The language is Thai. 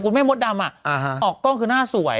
คุณแม่ออกก็แรงสวย